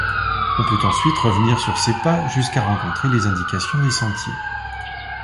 On peut ensuite revenir sur ses pas jusqu'à rencontrer les indications des sentiers.